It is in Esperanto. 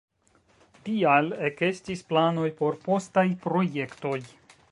Tial ekestis planoj por postaj projektoj.